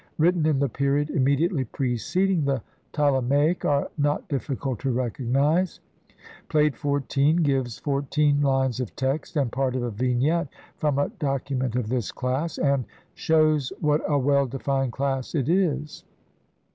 written in the period immediately preceding the Ptole maic are not difficult to recognize. Plate XIV gives fourteen lines of text and part of a Vignette from a document of this class (Brit. Mus. No. 10,479), ar >d shews what a well defined class it is.